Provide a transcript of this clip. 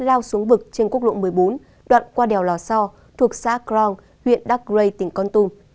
lao xuống vực trên quốc lộ một mươi bốn đoạn qua đèo lò so thuộc xã cron huyện dark gray tỉnh con tum